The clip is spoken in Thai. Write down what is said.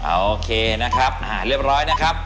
โอเคนะครับเรียบร้อยนะครับ